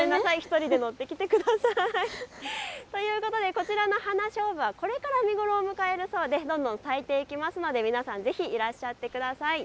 １人で乗ってきてください。ということでこちらのハナショウブはこれから見頃を迎えるそうで、どんどん咲いていくので皆さんぜひいらっしゃってください。